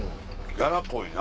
やらこいな。